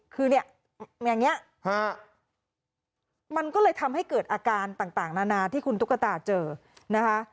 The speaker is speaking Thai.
คือเนี่ยอย่างนี้มันก็เลยทำให้เกิดอาการต่างนานาที่คุณตุ๊กตาเจอนะคะ